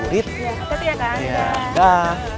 iya keti ya kak